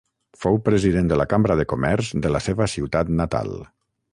Fou president de la Cambra de Comerç de la seva ciutat natal.